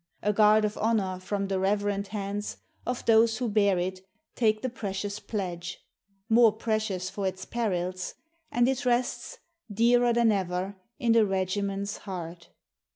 A guard of honour from the reverent hands Of those who bear it take the precious pledge More precious for its perils and it rests Dearer than ever in the regiment's heart.